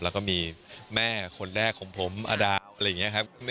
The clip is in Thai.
แล้วก็มีแม่คนแรกของผมอดะอะไรอย่างนี้ครับ